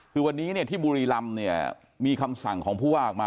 คือวันนี้เนี่ยที่บุรีรำเนี่ยมีคำสั่งของผู้ว่าออกมา